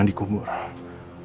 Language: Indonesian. nanti keluar lagi